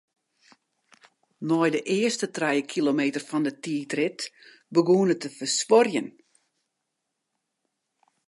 Nei de earste trije kilometer fan 'e tiidrit begûn er te fersuorjen.